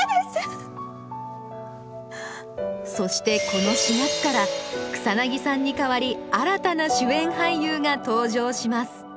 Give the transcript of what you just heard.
そしてこの４月から草さんにかわり新たな主演俳優が登場します